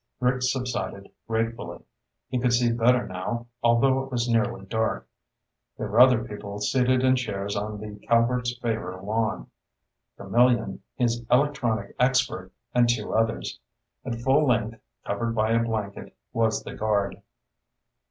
Rick subsided gratefully. He could see better now, although it was nearly dark. There were other people seated in chairs on the Calvert's Favor lawn. Camillion, his electronics expert, and two others. At full length, covered by a blanket, was the guard.